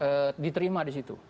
yang mungkin bisa diterima di situ